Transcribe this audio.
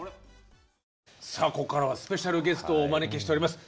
さあここからはスペシャルゲストをお招きしております。